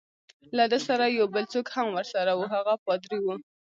له ده سره یو بل څوک هم ورسره وو، هغه پادري وو.